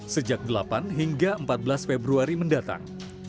sejak delapan hingga empat belas februari mendatang